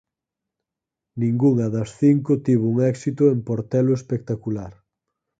Ningunha das cinco tivo un éxito en portelo espectacular.